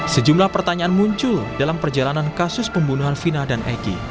sejumlah pertanyaan muncul dalam perjalanan kasus pembunuhan fina dan egy